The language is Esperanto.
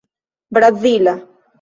brazila